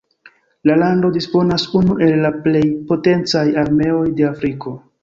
La lando disponas unu el la plej potencaj armeoj de Afriko.